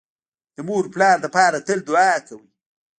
د مور او پلار لپاره تل دوعا کوئ